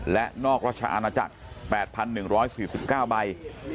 และนอกราชอาณาจักร๘๑๔๙ใบ